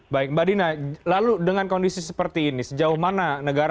baik mbak dina lalu dengan kondisi seperti ini sejauh mana negara